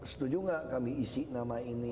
setuju nggak kami isi nama ini